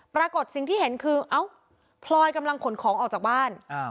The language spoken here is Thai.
ปรากฏสิ่งที่เห็นคือเอ้าพลอยกำลังขนของออกจากบ้าน